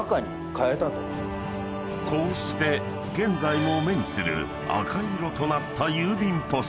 ［こうして現在も目にする赤色となった郵便ポスト］